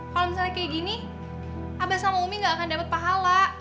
kalau misalnya kayak gini abah sama umi gak akan dapat pahala